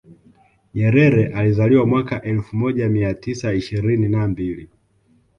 nyerere alizaliwa mwaka elfu moja mia tisa ishirini na mbili